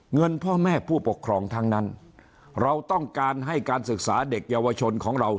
เงินพ่อแม่ผู้ปกครองทั้งนั้นเราต้องการให้การศึกษาเด็กเยาวชนของเรา